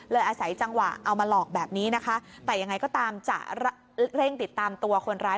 อาศัยจังหวะเอามาหลอกแบบนี้นะคะแต่ยังไงก็ตามจะเร่งติดตามตัวคนร้าย